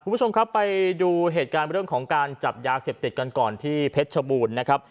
คุณผู้ชมครับไปดูเหตุการณ์เรื่องของการจับยาเสพติดกันก่อนที่เพชรชบูรณ์นะครับ